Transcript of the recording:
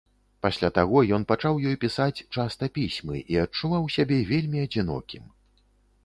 Пасля таго ён пачаў ёй пісаць часта пісьмы і адчуваў сябе вельмі адзінокім.